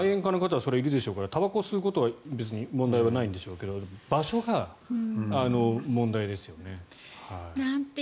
愛煙家の方はいるからたばこを吸うのは問題ないでしょうけど場所が問題ですよね。